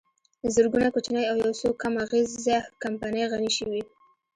زرګونه کوچنۍ او یوڅو کم اغېزه کمپنۍ غني شوې